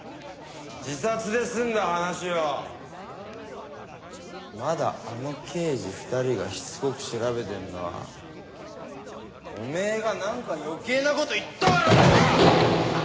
自殺で済んだ話をまだあの刑事２人がしつこく調べてんのはおめえがなんか余計な事言ったからだろうが！